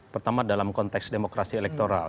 pertama dalam konteks demokrasi elektoral